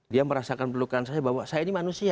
dia merasakan pelukan saya bahwa saya ini manusia